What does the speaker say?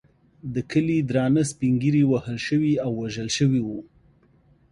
د کلي درانه سپین ږیري وهل شوي او وژل شوي وو.